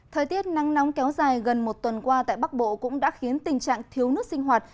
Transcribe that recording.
thời tiết nắng nóng kéo dài gần một tuần qua tại bắc bộ cũng đã khiến tình trạng thiếu nước sinh hoạt